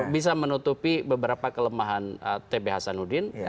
bisa menutupi beberapa kelemahan tb hasanuddin